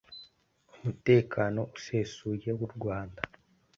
umutekano usesuye w’u Rwanda